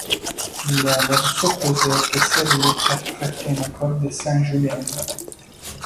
Il est alors supposé que ces reliques appartiennent au corps de Saint Julien.